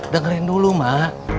dengerin dulu mak